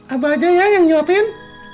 apa aja ya yang nyuapin